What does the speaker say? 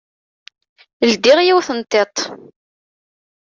Ldiɣ yiwet n tiṭ.